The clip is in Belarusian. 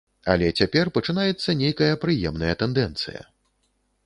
Але цяпер пачынаецца нейкая прыемная тэндэнцыя.